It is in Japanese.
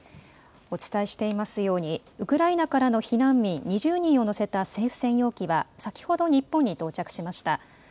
お伝えしていますようにウクライナからの避難民２０人を乗せた政府専用機は先ほど日本に到着しました。